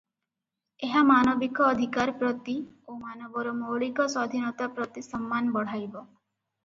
ଏହା ମାନବିକ ଅଧିକାର ପ୍ରତି ଓ ମାନବର ମୌଳିକ ସ୍ୱାଧୀନତା ପ୍ରତି ସମ୍ମାନ ବଢ଼ାଇବ ।